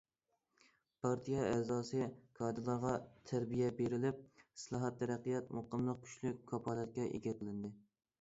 پارتىيە ئەزاسى، كادىرلارغا تەربىيە بېرىلىپ، ئىسلاھات، تەرەققىيات، مۇقىملىق كۈچلۈك كاپالەتكە ئىگە قىلىندى.